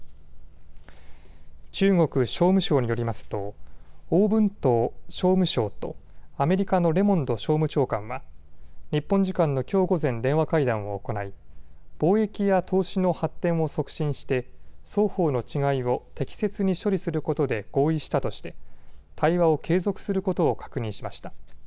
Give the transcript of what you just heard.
中国商務省によりますと王文涛商務相とアメリカのレモンド商務長官は日本時間のきょう午前、電話会談を行い貿易や投資の発展を促進して双方の違いを適切に処理することで合意したとして対話を継続することを確認しました。